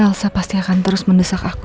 elsa pasti akan terus mendesak aku